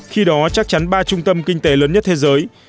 khi đó chắc chắn ba trung tâm kinh tế lớn nhất thế giới